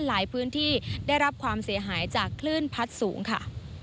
หลายพื้นที่ได้รับความเสียหายจากคลื่นพัดสูงค่ะ